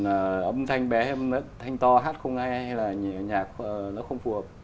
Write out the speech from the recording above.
âm thanh bé hay âm thanh to hát không nghe hay là nhạc nó không phù hợp